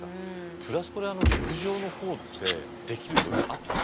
プラスこれは陸上の方ってできる余裕あったの？